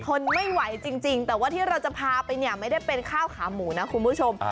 มันคนไม่ไหวจริงแต่ที่เราจะพาไปไม่ได้เป็นข้าวขาหมูนะคุณผู้ชม